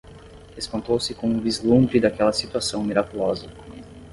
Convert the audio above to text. Espantou-se com o vislumbre daquela situação miraculosa